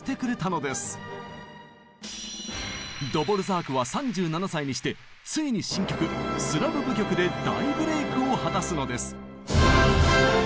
ドボルザークは３７歳にしてついに新曲「スラブ舞曲」で大ブレイクを果たすのです！